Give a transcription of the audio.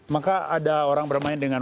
maka ada orang bermain dengan